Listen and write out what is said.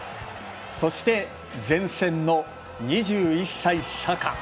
そして前線の２１歳、サカ。